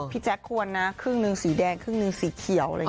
พี่แจ๊คควรนะครึ่งหนึ่งสีแดงครึ่งหนึ่งสีเขียว